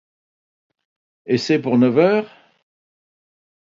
Et c’est pour neuf heures ?